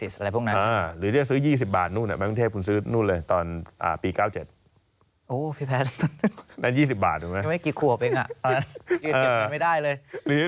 ยังไม่ได้กี่ขวบเองยืนไม่ได้เลย